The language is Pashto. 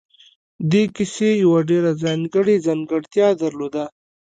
دې کيسې يوه ډېره ځانګړې ځانګړتيا درلوده.